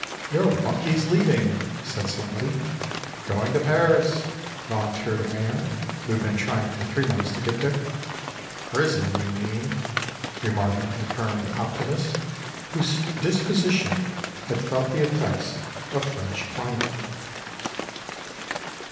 "Your bunky's leaving" said somebody. "Going to Paris" volunteered a man who had been trying for three months to get there. "Prison you mean" remarked a confirmed optimist whose disposition had felt the effects of French climate.